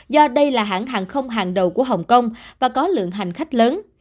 do đây là hãng hàng không hàng đầu của hồng kông và có lượng hành khách lớn